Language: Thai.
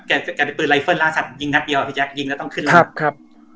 แกเป็นปืนไลเฟิลล่าสัตว์ยิงนัดเดียวพี่แจ๊คยิงแล้วต้องขึ้นแล้วครับ